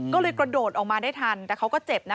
ก็เลยกระโดดออกมาได้ทันแต่เขาก็เจ็บนะ